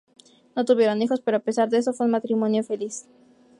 No tuvieron hijos, pero a pesar de eso fue un matrimonio feliz.